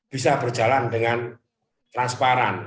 bisa berjalan dengan transparan